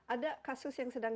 ada kasus yang sedang